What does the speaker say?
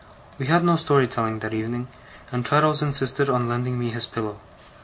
We had no story telling that evening, and Traddles insisted on lending me his pillow.